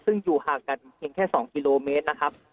ซึ่งอยู่ห่างกันเพียงแค่๒กิโลเมตรนะครับ